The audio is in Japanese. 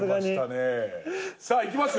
さあいきますよ。